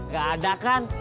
gak ada kan